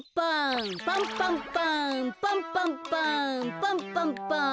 パンパンパンパンパンパンパンパンパン。